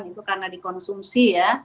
itu karena dikonsumsi ya